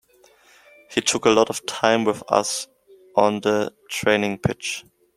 He took a lot of time with us on the training pitch.